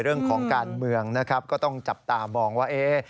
เรื่องของการเมืองนะครับก็ต้องจับตามองว่าเอ๊ะ